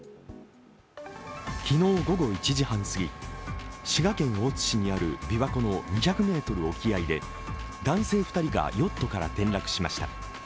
昨日午後１時半すぎ、滋賀県大津市にあるびわ湖の２００ｍ沖合で、男性２人がヨットから転落しました。